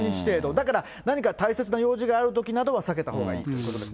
だから、何か大切な用事があるときなどは避けたほうがいいということです